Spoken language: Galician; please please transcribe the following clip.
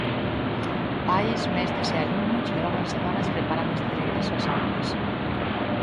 Pais, mestres e alumnos levaban semanas preparando este regreso ás aulas.